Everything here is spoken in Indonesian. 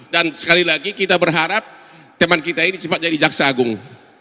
dan sekali lagi kita berharap teman kita ini cepat jadi jaksa agung